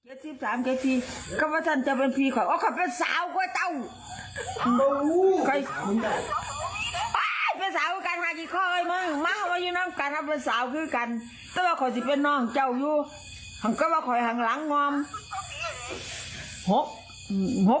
เออฉายกล้าหล่อท่านเหมือนกับวัน๑๐เส้น